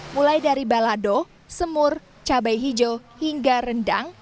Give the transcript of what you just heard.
mulai dari balado semur cabai hijau hingga rendang